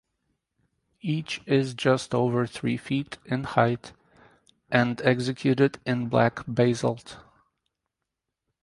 Each is just over three feet in height and executed in black basalt.